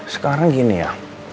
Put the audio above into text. sekarang gini ya